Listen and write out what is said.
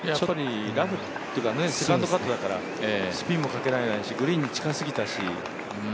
ラフというかセカンドカットだから、スピンもかけられないし、グリーンも近すぎたし。